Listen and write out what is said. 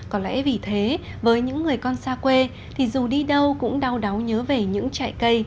có lẽ vì thế với những người con xa quê thì dù đi đâu cũng đau đáu nhớ về những trại cây